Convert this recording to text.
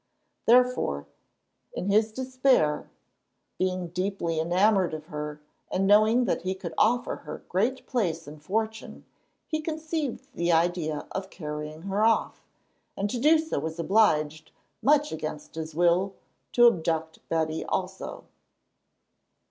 Therefore, in his despair, being deeply enamoured of her, and knowing that he could offer her great place and fortune, he conceived the idea of carrying her off, and to do so was obliged, much against his will, to abduct Betty also.